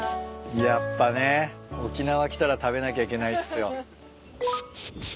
やっぱね沖縄来たら食べなきゃいけないっすよ。